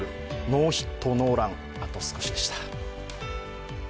ノーヒットノーラン達成しました。